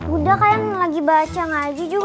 udah kayak lagi baca ngaji juga